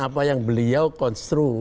apa yang beliau konstru